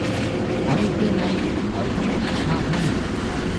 அல் திணை அஃறிணையாகும்.